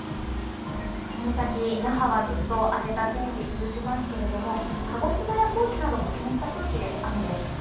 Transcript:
この先、那覇はずっと荒れた天気が続きますけれども、鹿児島や高知なども湿った空気で雨です。